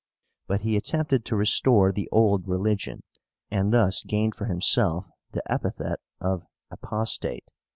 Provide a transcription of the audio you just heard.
But he attempted to restore the old religion, and thus gained for himself the epithet of APOSTATE.